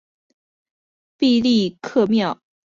毕力克庙是原察哈尔盟的知名寺庙之一。